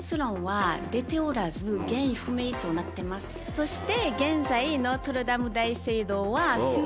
そして。